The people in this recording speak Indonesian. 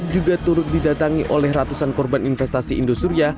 juga turut didatangi oleh ratusan korban investasi indosuria